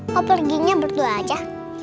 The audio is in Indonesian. kok perginya berdua aja